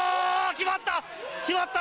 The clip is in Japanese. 決まった！